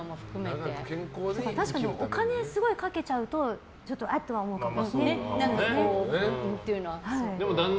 確かにお金すごいかけちゃうとちょっと、え？とは思うけど。